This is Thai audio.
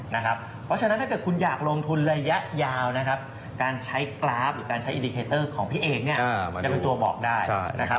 เพราะฉะนั้นถ้าเกิดคุณอยากลงทุนระยะยาวนะครับการใช้กราฟหรือการใช้อินดีเคเตอร์ของพี่เอกเนี่ยจะเป็นตัวบอกได้นะครับ